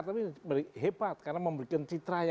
tapi hebat karena memberikan citra yang